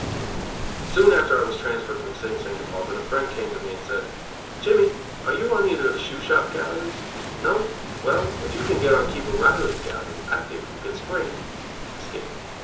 Soon after I was transferred from Sing Sing to Auburn, a friend came to me and said: "Jimmy, are you on either of the shoe shop galleries? No? Well, if you can get on Keeper Riley's gallery I think you can spring (escape)."